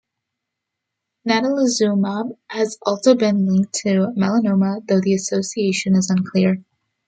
Natalizumab has also been linked to melanoma, though the association is unclear.